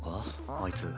あいつ。